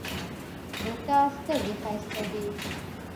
د تا سترګې ښایسته دي